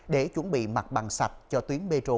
để chuẩn bị mặt bằng sạch cho tuyến petro